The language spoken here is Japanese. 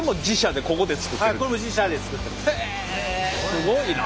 すごいな！